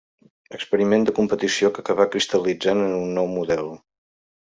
Experiment de competició que acabà cristal·litzant en un nou model.